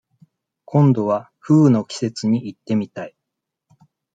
今度は、河豚の季節に行ってみたい。